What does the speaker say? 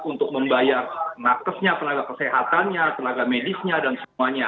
untuk membayar nakesnya tenaga kesehatannya tenaga medisnya dan semuanya